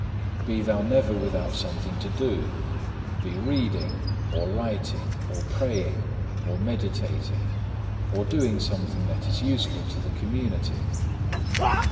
Be thou never without something to do; be reading, or writing, or praying, or meditating, or doing something that is useful to the community.